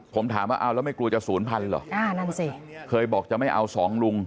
ผมถามว่าเอาแล้วไม่กลัวจะศูนย์พันเหรออ่านั่นสิเคยบอกจะไม่เอาสองลุง